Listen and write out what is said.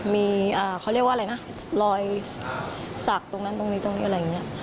มีเขาเรียกว่าอะไรนะรอยสักตรงนั้นตรงนี้ตรงนี้อะไรอย่างนี้